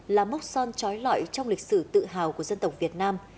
là mốc son trói lọi trong lịch sử tự hào của dân tộc việt nam